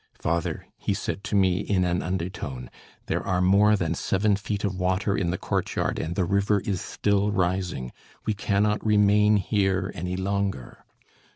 "Father," he said to me in an undertone, "there are more than seven feet of water in the courtyard, and the river is still rising. We cannot remain here any longer."